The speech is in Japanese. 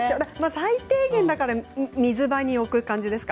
最低限水場に置く感じですか。